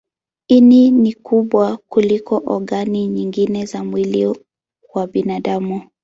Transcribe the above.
Ini ni kubwa kuliko ogani nyingine za mwili wa binadamu.